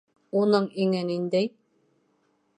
Уның иңе ниндәй?